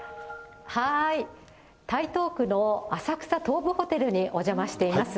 台東区の浅草東武ホテルにお邪魔しています。